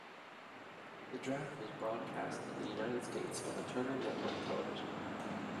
The draft was broadcast in the United States on the Turner Network Television.